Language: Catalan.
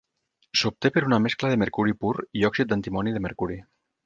S'obté per una mescla de mercuri pur i òxid d'antimoni de mercuri.